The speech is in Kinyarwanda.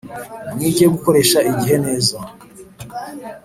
Mwige gukoresha igihe neza .